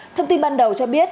thông tin ban đầu cho biết